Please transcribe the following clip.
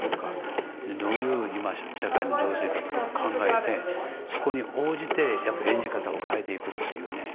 でどういう今社会の情勢かとかを考えてそこに応じてやっぱり演じ方を変えていくっていうね。